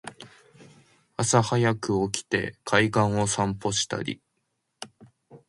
朝はやく起きて海岸を散歩したり